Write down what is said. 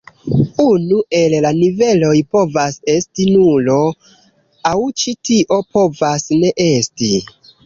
Unu el la niveloj povas esti nulo, aŭ ĉi tio povas ne esti.